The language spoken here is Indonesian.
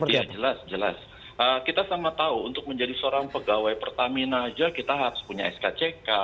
iya jelas jelas kita sama tahu untuk menjadi seorang pegawai pertamina aja kita harus punya skck